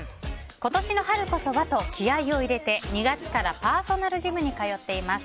今年の春こそはと、気合を入れて２月からパーソナルジムに通っています。